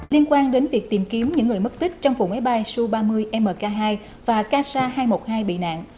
liên quan đến việc tìm kiếm những người mất tích trong vụ máy bay su ba mươi mk hai và kasa hai trăm một mươi hai bị nạn